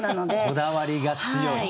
こだわりが強い。